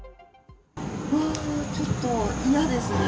いやぁ、ちょっと嫌ですね。